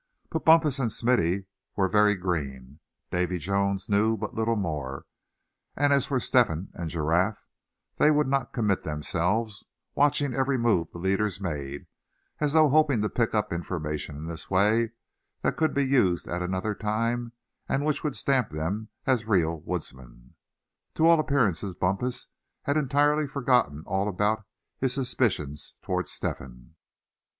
But Bumpus and Smithy were very green; Davy Jones knew but little more; and as for Step hen and Giraffe, they would not commit themselves, watching every move the leaders made, as though hoping to pick up information in this way that could be used at another time, and which would stamp them as real woodsmen. To all appearances Bumpus had entirely forgotten all about his suspicions toward Step hen.